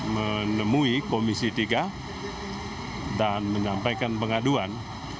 menemui komisi tiga dan menyampaikan pengaduan